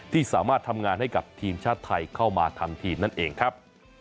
ที่สามารถทำงานให้กับทีมชาติไทยเข้ามาทำทีมนั่นเองครับ